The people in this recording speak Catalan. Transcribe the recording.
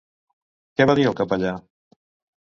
Què va dir el capellà?